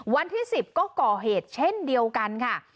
วันที่๑๐ก็ก่อเหตุเช่นเดียวกันค่ะ